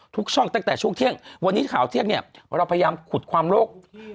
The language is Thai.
ทุกช่องตั้งแต่ช่วงเที่ยงวันนี้ข่าวเที่ยงเนี่ยเราพยายามขุดความโลก